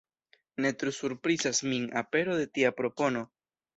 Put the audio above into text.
Ne tre surprizas min apero de tia propono.